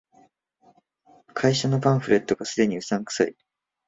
会社のパンフレットが既にうさんくさい